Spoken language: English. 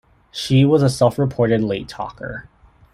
She was a self-reported late talker.